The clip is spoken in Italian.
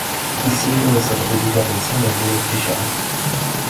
Il singolo è stato pubblicato insieme a un video ufficiale.